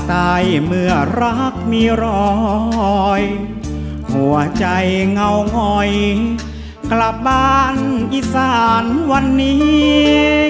ตายเมื่อรักมีรอยหัวใจเงางอยกลับบ้านอีสานวันนี้